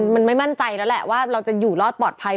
มันไม่มั่นใจแล้วแหละว่าเราจะอยู่รอดปลอดภัย